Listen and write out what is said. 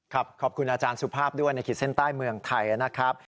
ขอบคุณอาจารย์สุภาพด้วยในขีดเส้นใต้เมืองไทยนะครับ